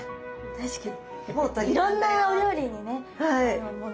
確かに。